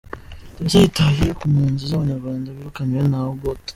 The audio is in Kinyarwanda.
Teresa yitaye ku mpunzi z’Abanyarwanda birukanywe na Obote.